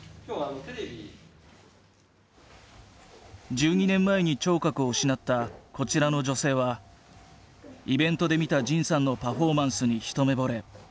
１２年前に聴覚を失ったこちらの女性はイベントで見た仁さんのパフォーマンスに一目ぼれ。